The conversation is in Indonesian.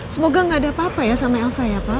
semoga gak ada apa apa ya sama elsa ya pak